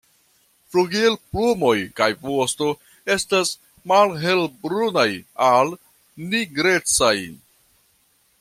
Flugilplumoj kaj vosto estas malhelbrunaj al nigrecaj.